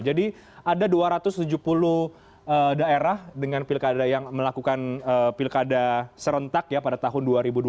jadi ada dua ratus tujuh puluh daerah dengan pilkada yang melakukan pilkada serentak pada tahun dua ribu dua puluh